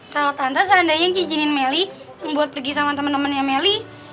kalau tante seandainya ngijinin meli buat pergi sama temen temennya meli